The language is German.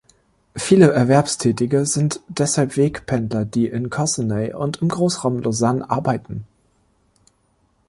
Viele Erwerbstätige sind deshalb Wegpendler, die in Cossonay und im Grossraum Lausanne arbeiten.